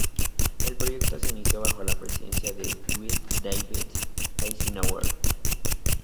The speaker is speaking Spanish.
El proyecto se inició bajo la presidencia de Dwight David Eisenhower.